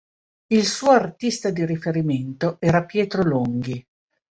Il suo artista di riferimento era Pietro Longhi.